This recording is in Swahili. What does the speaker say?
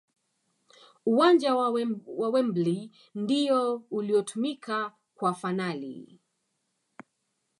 uwanja wa Wembley ndiyo uliotumika kwa fanali